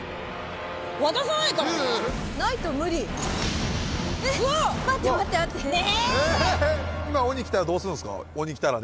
渡さないからね。